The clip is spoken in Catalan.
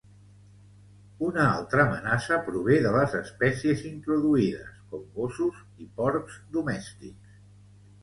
Una altra amenaça prové de les espècies introduïdes, com gossos i porcs domèstics.